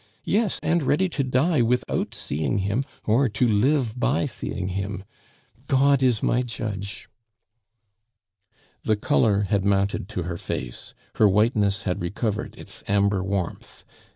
Yes, and ready to die without seeing him or to live by seeing him. God is my Judge." The color had mounted to her face, her whiteness had recovered its amber warmth.